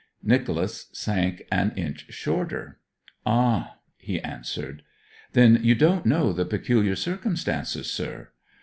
Nicholas sank an inch shorter. 'Ah,' he answered. 'Then you don't know the peculiar circumstances, sir?'